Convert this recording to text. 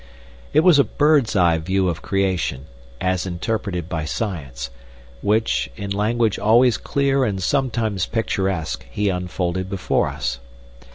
It was a bird's eye view of creation, as interpreted by science, which, in language always clear and sometimes picturesque, he unfolded before us.